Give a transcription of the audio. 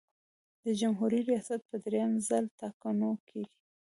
د جمهوري ریاست په دریم ځل ټاکنو کې.